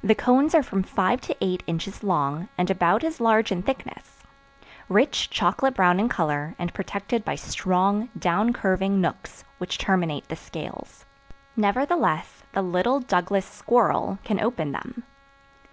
The cones are from five to eight inches long and about as large in thickness; rich chocolate brown in color and protected by strong, down curving nooks which terminate the scales. Nevertheless the little Douglas Squirrel can open them.